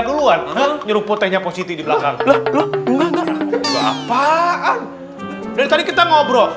duluan nyerupu tehnya positi di belakang apaan dari tadi kita ngobrol